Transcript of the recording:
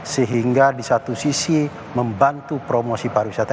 sehingga di satu sisi membantu promosi pariwisata